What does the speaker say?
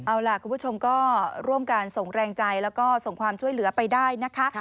เอาล่ะคุณผู้ชมก็ร่วมการส่งแรงใจแล้วก็ส่งความช่วยเหลือไปได้นะคะ